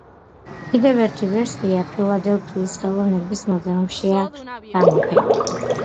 კიდევ ერთი ვერსია ფილადელფიის ხელოვნების მუზეუმშია გამოფენილი.